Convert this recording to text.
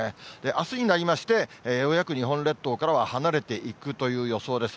あすになりまして、ようやく日本列島からは離れていくという予想です。